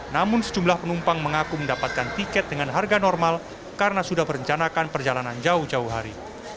namun sejumlah penumpang mengaku mendapatkan tiket dengan harga normal karena sudah merencanakan perjalanan jauh jauh hari